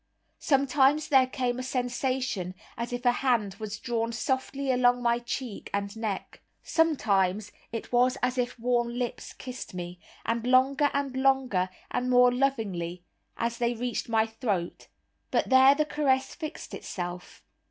Sometimes there came a sensation as if a hand was drawn softly along my cheek and neck. Sometimes it was as if warm lips kissed me, and longer and longer and more lovingly as they reached my throat, but there the caress fixed itself.